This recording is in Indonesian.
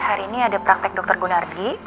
hari ini ada praktek dokter gunardi